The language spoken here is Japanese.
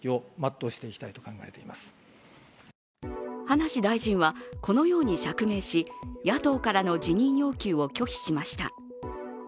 葉梨大臣はこのように釈明し野党からの辞任要求を拒否しました。